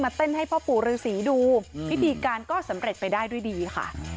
เต้นให้พ่อปู่ฤษีดูพิธีการก็สำเร็จไปได้ด้วยดีค่ะ